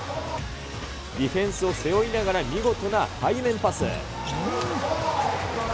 ディフェンスを背負いながら、見事な背面パス。